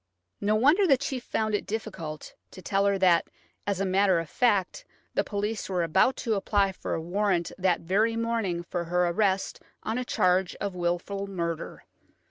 No wonder the chief found it difficult to tell her that, as a matter of fact, the police were about to apply for a warrant that very morning for her arrest on a charge of wilful murder